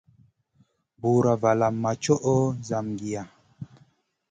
Bùra valam ma tchoho zangiya.